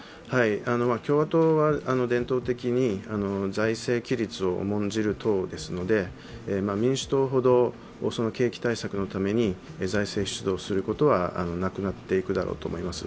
共和党は伝統的に財政規律を重んじる党ですので、民主党ほど景気対策のために財政出動することはなくなっていくだろうと思います。